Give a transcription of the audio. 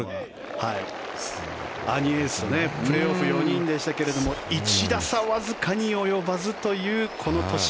アーニー・エルスとプレーオフ４人でしたが１打差、わずかに及ばずというこの年。